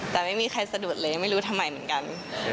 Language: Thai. แต่ไม่มีใครสะดุดเลยยังไม่รู้ทำไมเหมือนกัน